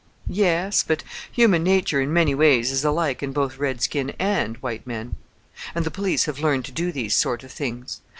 "Yes; but human nature in many ways is alike in both red skin and white men, and the police have learned to do these sort of things.